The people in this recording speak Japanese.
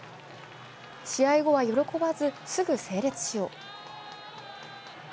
試合後は喜ばず、すぐ整列しよう。